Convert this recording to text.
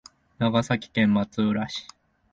長崎県松浦市